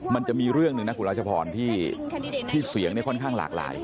มันจะมีเรื่องหนึ่งนะคุณรัชพรที่เสียงเนี่ยค่อนข้างหลากหลาย